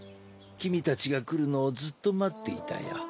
君たちが来るのをずっと待っていたよ。